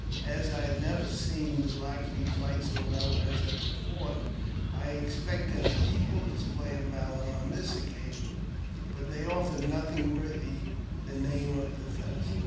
As I had never seen the Black Feet fight so well as at the fort, I expected an equal display of valour on this occasion, but they offered nothing worthy the name of defence.